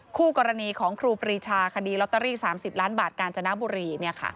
คู่กรณีของครูปรีชาคดีลอตเตอรี่๓๐ล้านบาทกาญจนบุรี